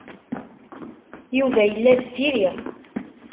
Yuba yella deffir-i.